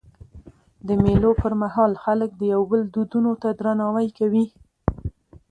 د مېلو پر مهال خلک د یو بل دودونو ته درناوی کوي.